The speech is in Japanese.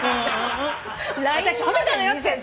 私褒めたのよって。